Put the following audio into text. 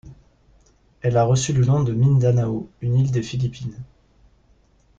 Elle a reçu le nom de Mindanao, une île des Philippines.